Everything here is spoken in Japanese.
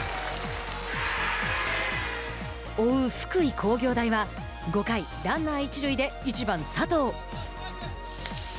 追う福井工業大は５回、ランナー一塁で１番佐藤。